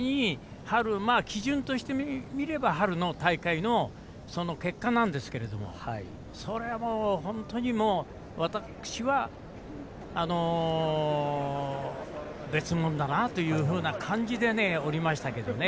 一概に基準としてみれば春の大会の結果なんですがそれは本当に私は別物だなというふうな感じでおりましたけども。